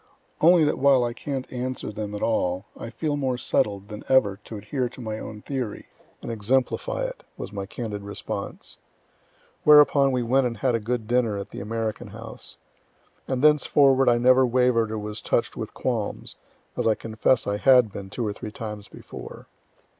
"Only that while I can't answer them at all, I feel more settled than ever to adhere to my own theory, and exemplify it," was my candid response. Whereupon we went and had a good dinner at the American House. And thenceforward I never waver'd or was touch'd with qualms, (as I confess I had been two or three times before.)